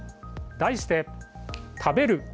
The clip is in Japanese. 題して、食べる！